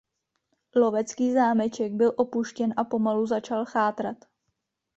Lovecký zámeček byl opuštěn a pomalu začal chátrat.